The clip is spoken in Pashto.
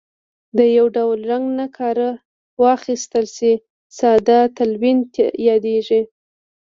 که د یو ډول رنګ نه کار واخیستل شي ساده تلوین یادیږي.